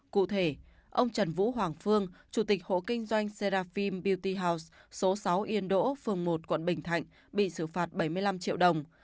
cụ thể ông trần vũ hoàng phương chủ tịch hộ kinh doanh xe đạp phim beauty house số sáu yên đỗ phường một quận bình thạnh bị xử phạt bảy mươi năm triệu đồng